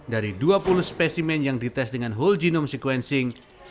dari dua puluh spesimen yang dites dengan whole genome sequencing